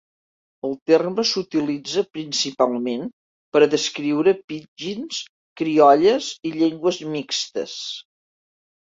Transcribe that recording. El terme s'utilitza principalment per a descriure pidgins, criolles i llengües mixtes.